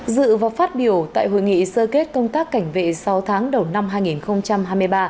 dự và phát biểu tại hội nghị sơ kết công tác cảnh vệ sáu tháng đầu năm hai nghìn hai mươi ba